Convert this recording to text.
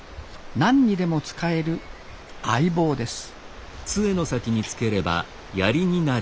何にでも使える相棒です